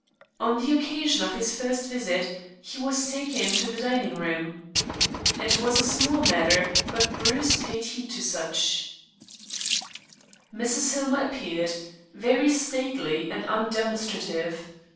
On the occasion of his first visit he was taken to the dining room. It was a small matter, but Bruce paid heed to such. Mrs. Hillmer appeared, very stately and undemonstrative.